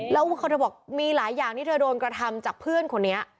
แล้วเธอบอกมีหลายอย่างที่เธอโดนกระทำจากเพื่อนคนนี้